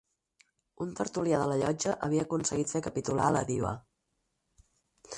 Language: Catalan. Un tertulià de la llotja, havia aconseguit, fer capitular a la diva